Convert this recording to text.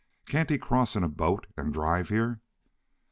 Can't he cross in a boat and drive here?"